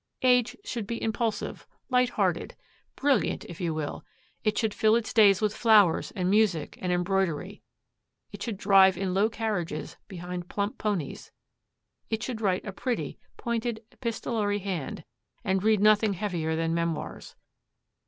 Age should be impulsive, light hearted brilliant, if you will; it should fill its days with flowers and music and embroidery; it should drive in low carriages behind plump ponies; it should write a pretty, pointed, epistolary hand, and read nothing heavier than memoirs.